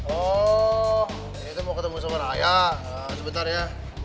oh ini tuh mau ketemu sama raya sebentar ya